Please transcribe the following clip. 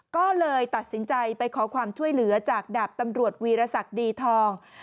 ก็เลยตัดสินใจไปขอความช่วยเหลือจากดาบตำรวจวีรศักดิ์ดีทอง